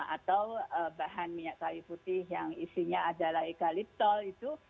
atau bahan minyak kayu putih yang isinya adalah egaliptol itu